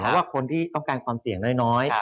เพราะว่าคนที่ต้องการความเสี่ยงน้อย